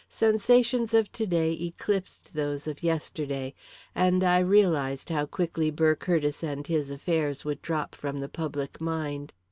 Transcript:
Sensations of to day eclipsed those of yesterday, and I realised how quickly Burr Curtiss and his affairs would drop from the public mind.